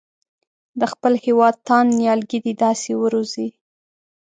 د خپل هېواد تاند نیالګي دې داسې وروزي.